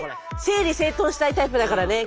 整理整頓したいタイプだからね。